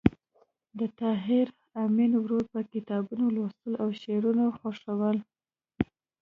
د طاهر آمین ورور به کتابونه لوستل او شعرونه خوښول